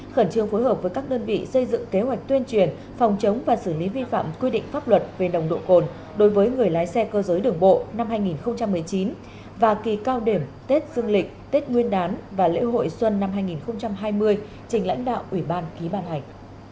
khẩn trương phối hợp với các đơn vị xây dựng kế hoạch tuyên truyền phòng chống và xử lý vi phạm quy định pháp luật về nồng độ cồn đối với người lái xe cơ giới đường bộ năm hai nghìn một mươi chín và kỳ cao điểm tết dương lịch tết nguyên đán và lễ hội xuân năm hai nghìn hai mươi trình lãnh đạo ủy ban ký ban hành